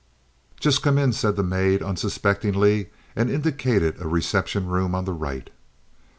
"Just come in," said the maid, unsuspectingly, and indicated a reception room on the right.